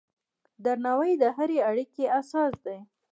درناوی د هرې اړیکې اساس دی.